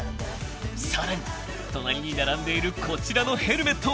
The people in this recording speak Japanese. ［さらに隣に並んでいるこちらのヘルメット］